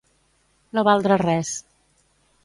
No valdre res.